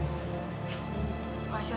saya harus doa dari kamu